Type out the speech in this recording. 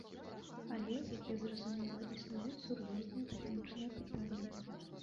Але, як я зразумела, існуюць сур'ёзныя тэхнічныя пытанні.